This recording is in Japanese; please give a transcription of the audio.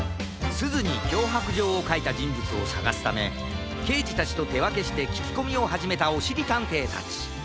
すずにきょうはくじょうをかいたじんぶつをさがすためけいじたちとてわけしてききこみをはじめたおしりたんていたち